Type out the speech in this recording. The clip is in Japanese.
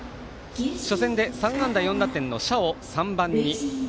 初戦で３安打４打点の謝を３番に。